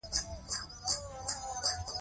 ایا زه باید شکر وکړم؟